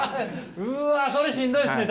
うわそれしんどいですね